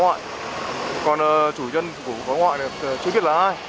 nhân của phá hoại này chưa biết là ai